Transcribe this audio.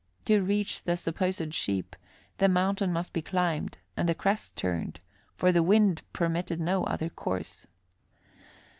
To reach the supposed sheep, the mountain must be climbed and the crest turned, for the wind permitted no other course.